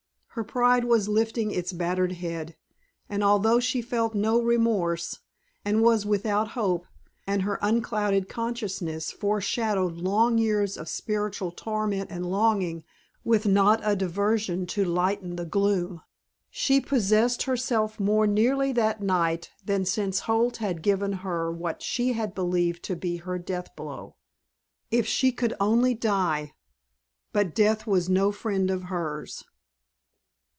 Her pride was lifting its battered head, and although she felt no remorse, and was without hope, and her unclouded consciousness foreshadowed long years of spiritual torment and longing with not a diversion to lighten the gloom, she possessed herself more nearly that night than since Holt had given her what she had believed to be her death blow. If she could only die. But death was no friend of hers.